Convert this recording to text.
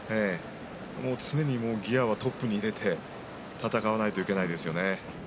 常にギヤはトップに入れて戦わないといけませんね。